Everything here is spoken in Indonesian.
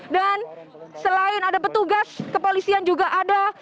dan selain ada petugas kepolisian juga ada